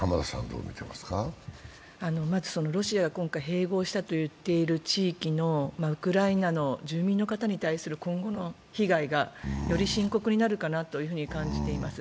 まずロシアが今回併合したと言っている地域のウクライナの住民の方に対する今後の被害がより深刻になるかなと感じています。